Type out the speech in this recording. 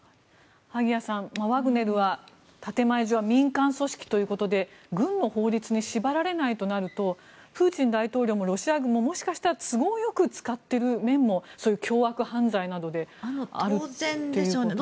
萩谷さん、ワグネルは建前上は民間組織ということで軍の法律に縛られないとなるとプーチン大統領もロシア軍ももしかしたら都合よく使っている面も凶悪犯罪などであるということなんでしょうか。